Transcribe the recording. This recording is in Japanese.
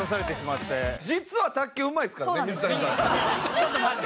ちょっと待って。